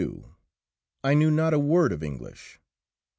I knew not a word of English.